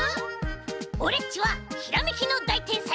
オレっちはひらめきのだいてんさい！